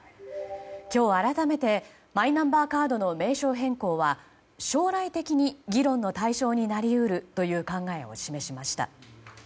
今日、改めてマイナンバーカードの名称変更は将来的に議論の対象になり得るという考えを示しました。